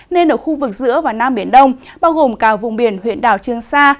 nên ở khu vực giữa và nam biển đông bao gồm cả vùng biển huyện đảo trương sa